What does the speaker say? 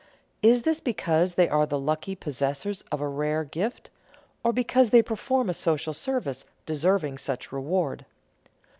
Is this because they are the lucky possessors of a rare gift, or because they perform a social service deserving such reward?